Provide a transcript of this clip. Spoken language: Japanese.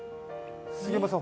杉山さん